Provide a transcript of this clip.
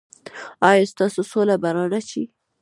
ایا ستاسو سوله به را نه شي؟